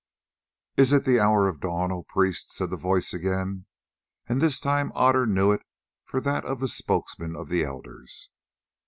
"Is it the hour of dawn, O priest?" said the voice again, and this time Otter knew it for that of the spokesman of the elders.